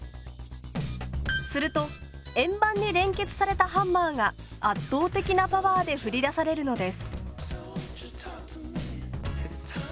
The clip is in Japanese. すると円盤に連結されたハンマーが圧倒的なパワーで振り出されるのです。